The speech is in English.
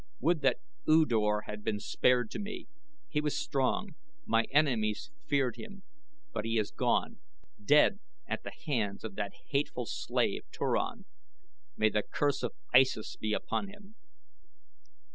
Would that U Dor had been spared to me. He was strong my enemies feared him; but he is gone dead at the hands of that hateful slave, Turan; may the curse of Issus be upon him!"